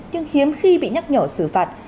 nhưng hiếm khi bị nhắc nhở xử phạt